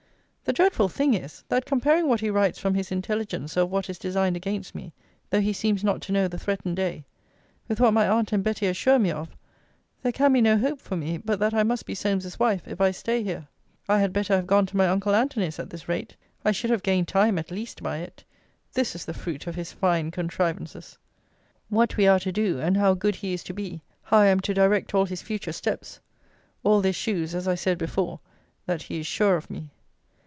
The dreadful thing is, that comparing what he writes from his intelligencer of what is designed against me (though he seems not to know the threatened day) with what my aunt and Betty assure me of, there can be no hope for me, but that I must be Solmes's wife, if I stay here. I had better have gone to my uncle Antony's at this rate. I should have gained time, at least, by it. This is the fruit of his fine contrivances! 'What we are to do, and how good he is to be: how I am to direct all his future steps.' All this shews, as I said before, that he is sure of me.